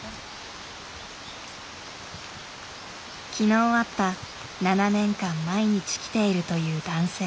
昨日会った７年間毎日来ているという男性。